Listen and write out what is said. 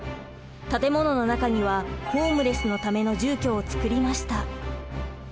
建物の中にはホームレスのための住居を作りました。